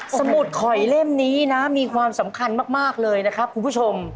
สมุดข่อยเล่มนี้นะมีความสำคัญมากเลยนะครับคุณผู้ชม